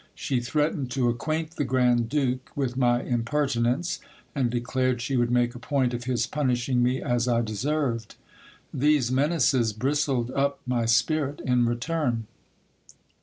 She threatened to acquaint the grand duke with my impertinence ; and declared she would make a point of his punishing me as I deserved. These menaces bristled up my spirit in return.